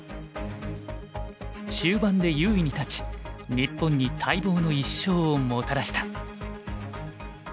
終盤で優位に立ち日本に待望の１勝をもたらした。